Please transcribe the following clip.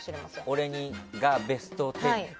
俺がベスト１０。